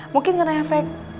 mungkin kena efek